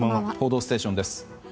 「報道ステーション」です。